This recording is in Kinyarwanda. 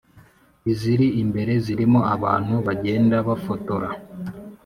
iziri imbere zirimo abantu bagenda bafotora,